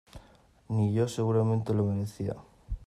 Ni yo seguramente lo merecía.